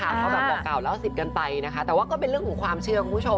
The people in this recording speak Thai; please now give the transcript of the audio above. เขาแบบบอกกล่าวเล่าสิทธิ์กันไปนะคะแต่ว่าก็เป็นเรื่องของความเชื่อคุณผู้ชม